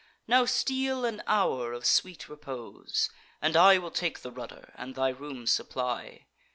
Now steal an hour of sweet repose; and I Will take the rudder and thy room supply."